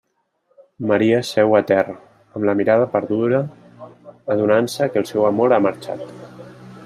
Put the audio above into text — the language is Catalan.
Maria seu a terra, amb la mirada perduda, adonant-se que el seu amor ha marxat.